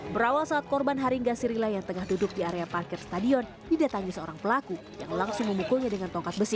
berawal saat korban haringga sirila yang tengah duduk di area parkir stadion didatangi seorang pelaku yang langsung memukulnya dengan tongkat besi